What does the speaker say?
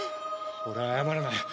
俺は謝らない。